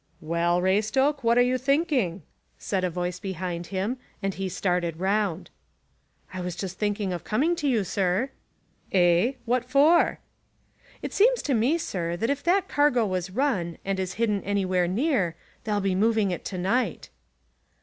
"Well, Raystoke, what are you thinking?" said a voice behind him, and he started round. "I was just thinking of coming to you, sir." "Eh, what for?" "It seems to me, sir, that if that cargo was run, and is hidden anywhere near, they'll be moving it to night."